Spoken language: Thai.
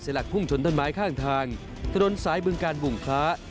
เสียหลักพุ่งชนถ้นไม้ข้างทางทะลนสายเมืองการบุงคล้า